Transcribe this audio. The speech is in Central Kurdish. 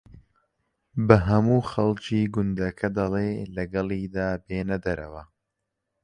بە ھەموو خەڵکی گوندەکە دەڵێ لەگەڵیدا بێنە دەرەوە